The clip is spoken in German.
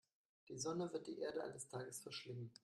Die Sonne wird die Erde eines Tages verschlingen.